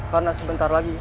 karena sebentar lagi